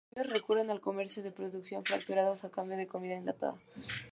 En ocasiones recurren al comercio de productos manufacturados a cambio de comida enlatada.